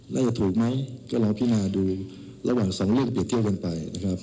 ได้ยังถูกมั้ยก็ลองพี่นาดูระหว่าง๒เรื่องเปลี่ยนเที่ยวกันไป